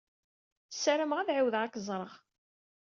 Sarameɣ ad ɛiwdeɣ ad k-ẓṛeɣ.